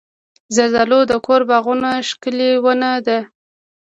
زردالو د کور باغونو ښکلې ونه ده.